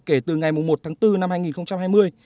kể từ ngày một tháng bốn năm hai nghìn hai mươi